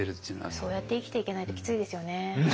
そうやって生きていけないときついですよね。